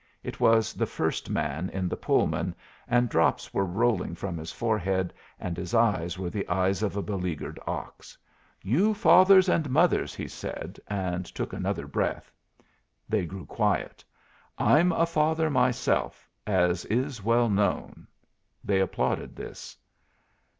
It was the first man in the Pullman, and drops were rolling from his forehead, and his eyes were the eyes of a beleaguered ox. "You fathers and mothers," he said, and took another breath. They grew quiet. "I'm a father myself, as is well known." They applauded this.